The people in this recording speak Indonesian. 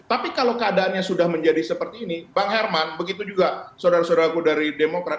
tapi kalau keadaannya sudah menjadi seperti ini bang herman begitu juga saudara saudaraku dari demokrat